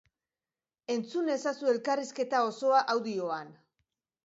Entzun ezazu elkarrizketa osoa audioan.